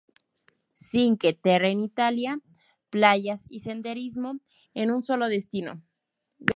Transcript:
Cinque Terre en Italia: Playas y Senderismo en un solo destino